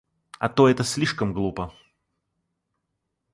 А то это слишком глупо!